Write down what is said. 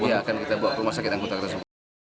iya akan kita bawa ke rumah sakit anggota tersebut